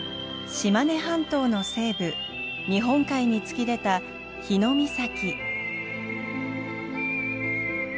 島根半島の西部日本海に突き出た日御碕。